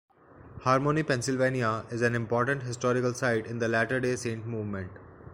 Harmony, Pennsylvania, is an important historical site in the Latter Day Saint movement.